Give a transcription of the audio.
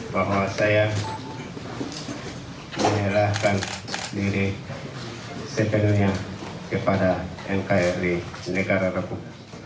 bahwa saya menyerahkan diri sepenuhnya kepada nkri negara republik